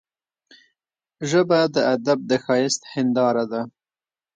ژبه د ادب د ښايست هنداره ده